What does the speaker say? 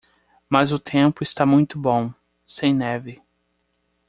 Mas o tempo está muito bom, sem neve